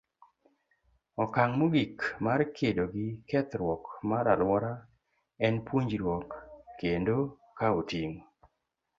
Okang' mogik mar kedo gi kethruok mar alwora en puonjruok kendo kawo ting'.